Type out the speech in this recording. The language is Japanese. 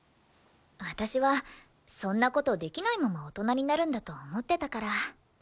私はそんな事できないまま大人になるんだと思ってたから。